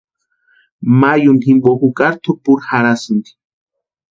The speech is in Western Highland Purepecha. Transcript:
Mayuni jimpo jukari tʼupuri jarhasïnti.